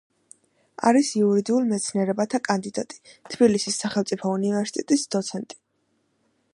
არის იურიდიულ მეცნიერებათა კანდიდატი, თბილისის სახელმწიფო უნივერსიტეტის დოცენტი.